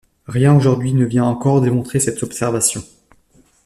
Rien, aujourd'hui, ne vient encore démontrer cette observation.